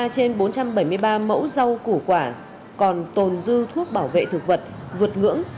ba trên bốn trăm bảy mươi ba mẫu rau củ quả còn tồn dư thuốc bảo vệ thực vật vượt ngưỡng